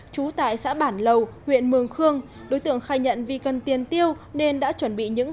trú tại xã bản lầu huyện mường khương đối tượng khai nhận vì cần tiền tiêu nên đã chuẩn bị những